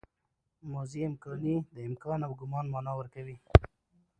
ماضي امکاني د امکان او ګومان مانا ورکوي.